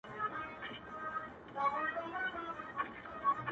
د سترگو هره ائينه کي مي ستا نوم ليکلی؛